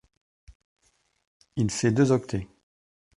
Il fait deux octets.